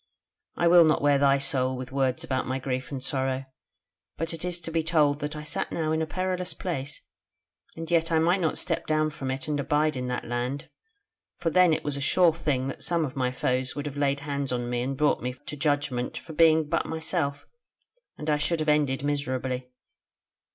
I will not wear thy soul with words about my grief and sorrow: but it is to be told that I sat now in a perilous place, and yet I might not step down from it and abide in that land, for then it was a sure thing, that some of my foes would have laid hand on me and brought me to judgment for being but myself, and I should have ended miserably.